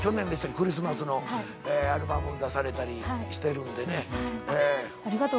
クリスマスのアルバムを出されたりしてるんでね。